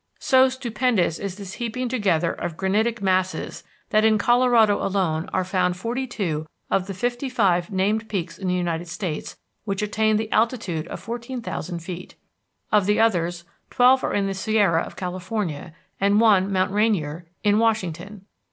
So stupendous is this heaping together of granitic masses that in Colorado alone are found forty two of the fifty five named peaks in the United States which attain the altitude of fourteen thousand feet. Of the others, twelve are in the Sierra of California, and one, Mount Rainier, in Washington.